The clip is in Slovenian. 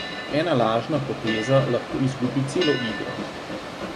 Ena lažna poteza lahko izgubi celo igro.